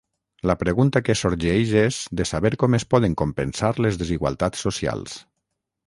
La pregunta que sorgeix és de saber com es poden compensar les desigualtats socials.